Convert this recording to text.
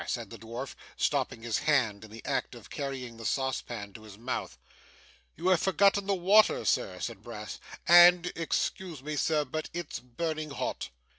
said the dwarf, stopping his hand in the act of carrying the saucepan to his mouth. 'You have forgotten the water, sir,' said Brass. 'And excuse me, sir but it's burning hot.